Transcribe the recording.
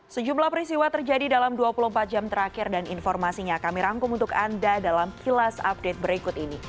sejumlah peristiwa terjadi dalam dua puluh empat jam terakhir dan informasinya kami rangkum untuk anda dalam kilas update berikut ini